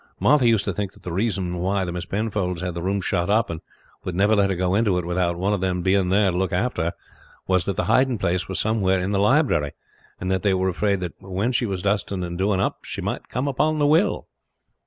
Martha used to think that the reason why the Miss Penfolds had the room shut up, and would never let her go into it without one of them being there to look after her, was that the hiding place was somewhere in the library, and that they were afraid that when she was dusting and doing up she might come upon the will."